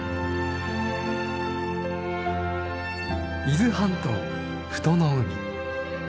伊豆半島富戸の海。